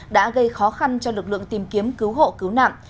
đã gây khó khăn cho lực lượng tìm kiếm cứu hộ cứu nạn